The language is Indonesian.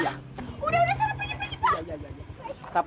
udah udah saya mau pergi pak